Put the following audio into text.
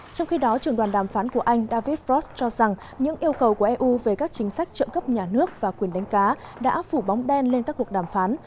trong khi đó trường đoàn đàm phán của anh david frost cho rằng những yêu cầu của eu về các chính sách trợ cấp nhà nước và quyền đánh cá đã phủ bóng đen lên các cuộc đàm phán